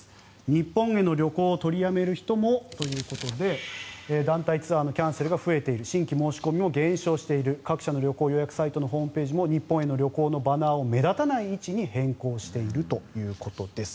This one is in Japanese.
日本への旅行を取りやめる人もということで団体ツアーのキャンセルが増えている新規申し込みも減少している各社の旅行予約サイトのホームページも日本への旅行のバナーを目立たない位置に変更しているということです。